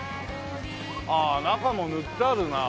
ああ中も塗ってあるな。